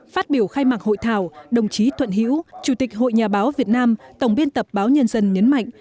phát biểu khai mạng hội thảo đồng chí tuận hiễu chủ tịch hội nhà báo việt nam tổng biên tập báo nhân dân nhấn mạnh